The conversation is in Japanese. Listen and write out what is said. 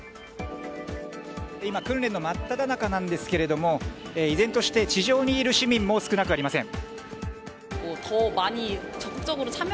今、訓練の真っただ中なんですけれども依然として地上にいる市民も少なくありません。